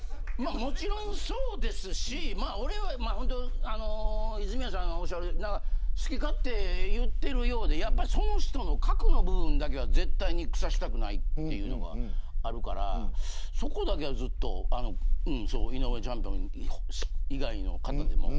もちろん、そうですし泉谷さんがおっしゃるように好き勝手言ってるようでその人の核の部分だけは絶対にくさしたくないというのは、あるからそこだけはずっとね井上チャンピオン以外の方でも。